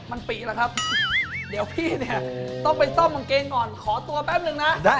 มันปีแล้วครับเดี๋ยวพี่เนี่ยต้องไปซ่อมกางเกงก่อนขอตัวแป๊บนึงนะ